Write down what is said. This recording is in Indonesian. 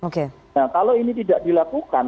nah kalau ini tidak dilakukan